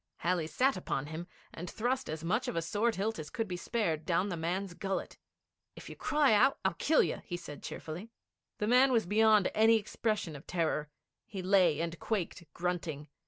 Halley sat upon him, and thrust as much of a sword hilt as could be spared down the man's gullet. 'If you cry out, I kill you,' he said cheerfully. The man was beyond any expression of terror. He lay and quaked, grunting.